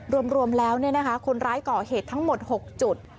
รวมแล้วเนี่ยนะคะคนร้ายก่อเหตุทั้งหมดหกจุด